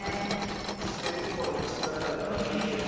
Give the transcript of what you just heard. そして心を打ち砕かれた渡辺先生。